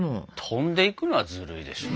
飛んでいくのはずるいでしょ。